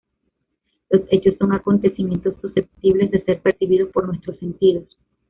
Los hechos son acontecimientos susceptibles de ser percibidos por nuestros sentidos.